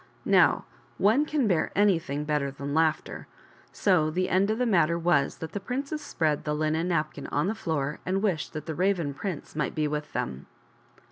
Now ore can bear anything better than laughter. So the end of the matter was that the princess spread the linen napkin on the floor and wished that the Raven prince might be with them.